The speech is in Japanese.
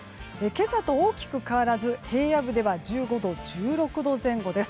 今朝と大きく変わらず平野部では１５度、１６度前後です。